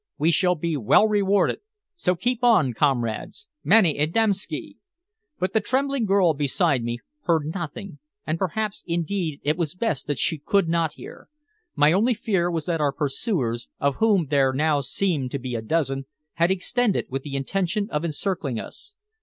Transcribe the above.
We shall be well rewarded. So keep on, comrades! Mene edemmäski!" But the trembling girl beside me heard nothing, and perhaps indeed it was best that she could not hear. My only fear was that our pursuers, of whom there now seemed to be a dozen, had extended, with the intention of encircling us.